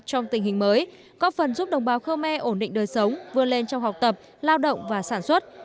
trong tình hình mới có phần giúp đồng bào khơ me ổn định đời sống vươn lên trong học tập lao động và sản xuất